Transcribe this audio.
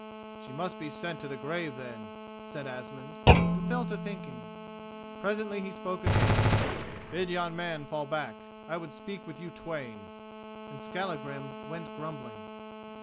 "She must be sent to the grave, then," said Asmund, and fell to thinking. Presently he spoke again: "Bid yon man fall back, I would speak with you twain," and Skallagrim went grumbling.